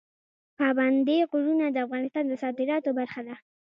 پابندی غرونه د افغانستان د صادراتو برخه ده.